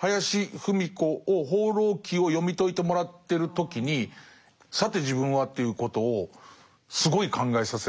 林芙美子を「放浪記」を読み解いてもらってる時に「さて自分は？」ということをすごい考えさせられましたね。